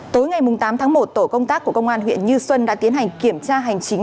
tối ngày tám tháng một tổ công tác của công an huyện như xuân đã tiến hành kiểm tra hành chính